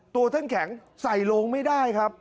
ตัวท่านแข็งใส่โลงไม่ได้ครับ